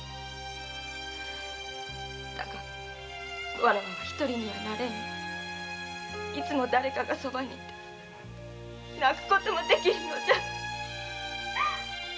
だがわらわは一人にはなれぬいつもだれかがそばにいて泣くこともできぬのじゃ。